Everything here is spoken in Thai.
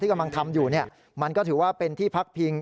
กำลังทำอยู่มันก็ถือว่าเป็นที่พักพิง